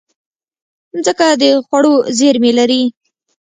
مځکه د خوړو زېرمې لري.